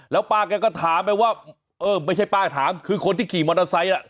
แล้วป้าแกก็ถามไปว่าเออไม่ใช่ป้าถามคือคนที่ขี่มอเตอร์ไซค์